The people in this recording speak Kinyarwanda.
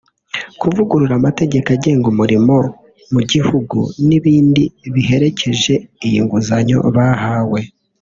kuvugurura amategeko agenga umurimo mu gihugu n’ibindi biherekeje iyi nguzanyo bahawe